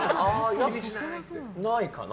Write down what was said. ないかな。